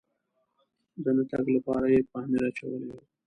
د نه تګ لپاره یې پامپر اچولی و.